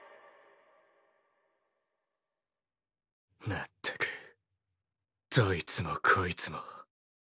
まったくどいつもこいつも。